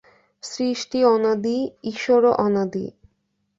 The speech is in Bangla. সৃষ্টি অনাদি, ঈশ্বরও অনাদি।